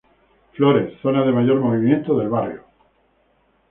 Flores, zona de mayor movimiento del barrio.